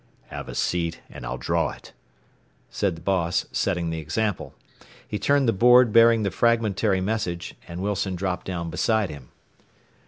"Have a seat and I'll draw it," said the boss, setting the example. He turned the board bearing the fragmentary message, and Wilson dropped down beside him.